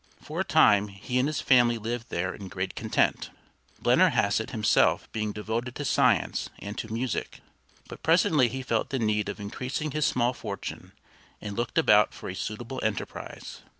For a time he and his family lived there in great content, Blennerhassett himself being devoted to science and to music, but presently he felt the need of increasing his small fortune and looked about for a suitable enterprise.